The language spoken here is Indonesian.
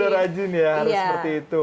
benar benar rajin ya harus seperti itu